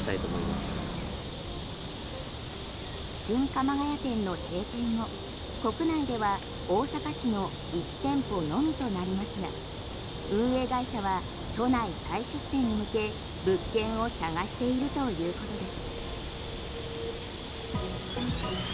新鎌ケ谷店の閉店後国内では大阪市の１店舗のみとなりますが運営会社は都内再出店に向け物件を探しているということです。